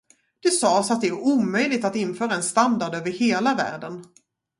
Det sas att det är omöjligt att införa en standard över hela världen.